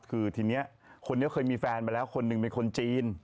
คือทีนี้คนนี้เคยมีแฟนไปแล้วคนหนึ่งเป็นคนจีน